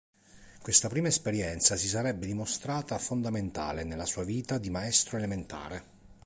Questa prima esperienza si sarebbe dimostrata fondamentale nella sua vita di maestro elementare.